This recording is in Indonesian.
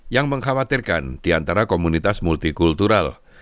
yang mengkhawatirkan di antara komunitas multikultural